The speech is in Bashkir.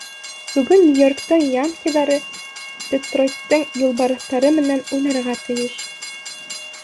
«Бөгөн Нью-Йорктың «Янки»ҙары Детройттың «Юлбарыҫ»тары менән уйнарға тейеш».